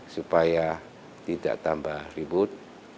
supaya tidak tambah ribut